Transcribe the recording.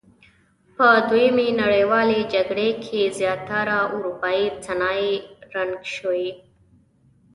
په دویمې نړیوالې جګړې کې زیاتره اورپایي صنایع رنګ شوي.